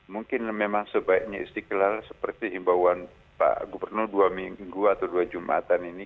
mungkin memang sebaiknya istiqlal seperti imbauan pak gubernur dua minggu atau dua jumatan ini